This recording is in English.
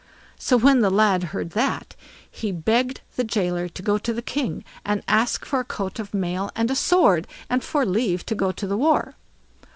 So when the lad heard that, he begged the gaoler to go to the king and ask for a coat of mail and a sword, and for leave to go to the war.